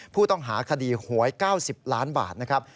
ผู้ต้องหาคดีหวย๙๐ล้านบาทนะครับ